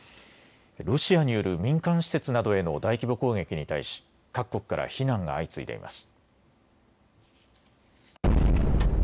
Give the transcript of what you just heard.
ロシアによる民間施設などへの大規模攻撃に対し各国から非難が相次いでいます。